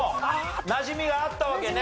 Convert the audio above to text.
なじみがあったわけね。